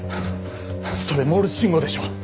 それモールス信号でしょ？